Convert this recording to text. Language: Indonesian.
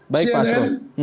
baik pak hasrul